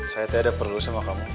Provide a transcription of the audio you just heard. saya tidak ada perlu sama kamu